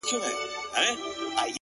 او که يې اخلې نو آدم اوحوا ولي دوه وه؛